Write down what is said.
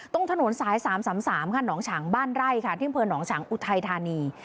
ตรงถนนสาย๓๓ค่ะหนองฉางบ้านไร่ค่ะที่อำเภอหนองฉางอุทัยธานี